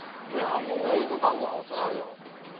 だいぶ晩ごはん遅なるよ。